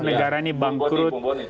negara ini bangkrut